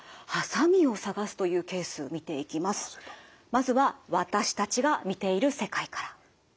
まずは私たちが見ている世界から。